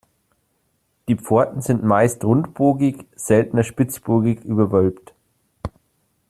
Die Pforten sind meist rundbogig, seltener spitzbogig überwölbt.